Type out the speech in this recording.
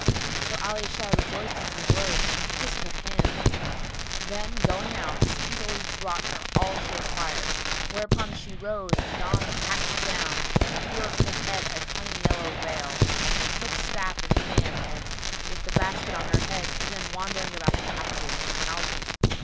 So Ali Shar rejoiced in her words and kissed her hands, then, going out, speedily brought her all she required; whereupon she rose and donned a patched gown and threw over her head a honey yellow veil, and took staff in hand and, with the basket on her head, began wandering about the passages and the houses.